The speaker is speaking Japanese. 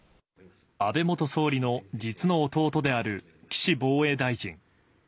安倍元総理の実の弟である岸防衛大臣。